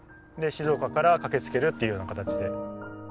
静岡から駆けつけるっていうような形で。